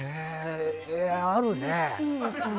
あるね。